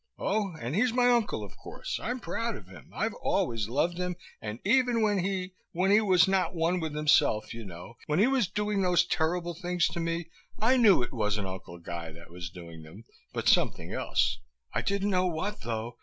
Oh, and he's my uncle, of course. I'm proud of him. I've always loved him, and even when he when he was not one with himself, you know, when he was doing those terrible things to me, I knew it wasn't Uncle Guy that was doing them, but something else. I didn't know what, though.